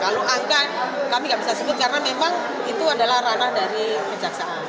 kalau angka kami nggak bisa sebut karena memang itu adalah ranah dari kejaksaan